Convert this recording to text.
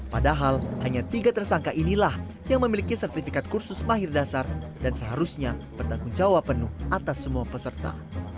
padahal hanya tiga tersangka inilah yang memiliki sertifikat kursus mahir dasar dan seharusnya bertanggung jawab penuh atas semua peserta